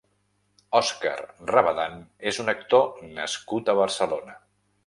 Òscar Rabadán és un actor nascut a Barcelona.